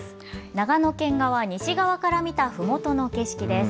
長野県側、西側から見たふもとの景色です。